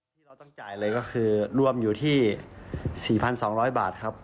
ที่เราต้องจ่ายเลยก็คือรวมอยู่ที่๔๒๐๐บาทครับ